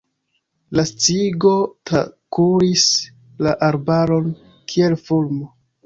La sciigo trakuris la arbaron kiel fulmo.